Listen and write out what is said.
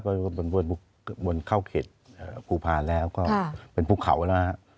เปรียวมากครับบนเข้าเข็ดภูพาลแล้วก็เป็นภูเขานะครับ